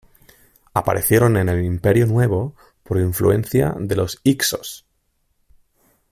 Aparecieron en el Imperio Nuevo por influencia de los hicsos.